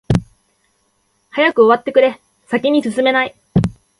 早く終わってくれ、先に進めない。